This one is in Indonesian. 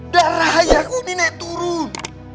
darah ayah kau ini naik turun